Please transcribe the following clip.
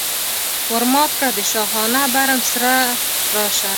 ور مات کړه د شاهانه برم سره راشه.